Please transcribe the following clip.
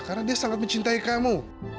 karena dia sangat mencintai kamu